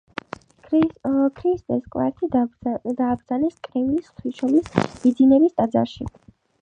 ქრისტეს კვართი დააბრძანეს კრემლის ღვთისმშობლის მიძინების ტაძარში.